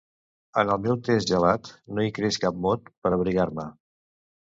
En el meu test gelat no hi creix cap mot per abrigar-me.